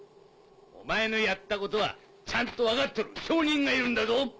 お前のやったことはちゃんと分かっとる証人がいるんだぞ。